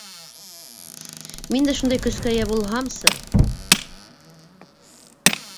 Мин дә шундай көскә эйә булһамсы!